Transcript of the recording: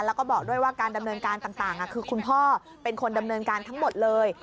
แล้วก็บอกด้วยว่าการดำเนินการต่างคือคุณพ่อเป็นคนดำเนินการทั้งหมดเลย